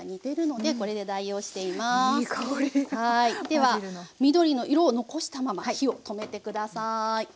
では緑の色を残したまま火を止めて下さい。